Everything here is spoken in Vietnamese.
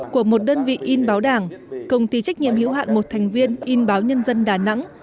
của một đơn vị in báo đảng công ty trách nhiệm hiểu hạn một thành viên in báo nhân dân đà nẵng